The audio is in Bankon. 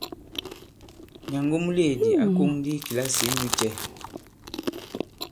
Nyàngo muleèdi ǎ kōŋ ndi i kìlasì inyū cɛ ?